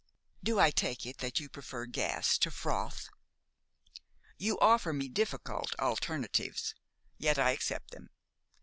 "Do I take it that you prefer gas to froth?" "You offer me difficult alternatives, yet I accept them.